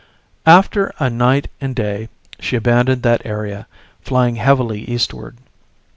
After a night and a day she abandoned that area, flying heavily eastward.